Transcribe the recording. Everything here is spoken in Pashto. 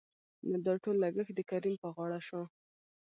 نو دا ټول لګښت دکريم په غاړه شو.